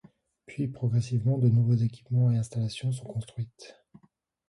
Puis progressivement de nouveaux équipements et installations sont construites.